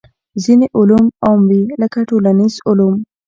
ځینې علوم عام وي لکه ټولنیز علوم.